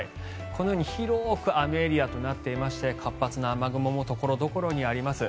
このように広く雨エリアとなっていまして活発な雨雲も所々あります。